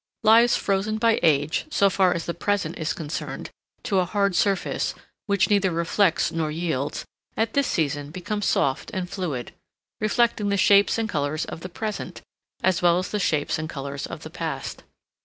Lives frozen by age, so far as the present is concerned, to a hard surface, which neither reflects nor yields, at this season become soft and fluid, reflecting the shapes and colors of the present, as well as the shapes and colors of the past.